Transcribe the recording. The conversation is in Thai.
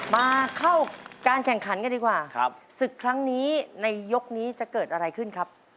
มาเข้าการแข่งขันกันดีกว่าครับศึกครั้งนี้ในยกนี้จะเกิดอะไรขึ้นครับ